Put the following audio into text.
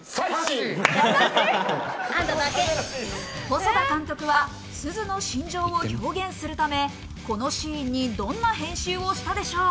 細田監督はすずの心情を表現するため、このシーンにどんな編集をしたでしょう？